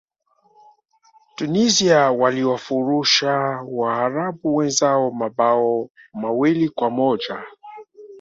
tunisia waliwafurusha waarabu wenzao mabao mawili kwa moja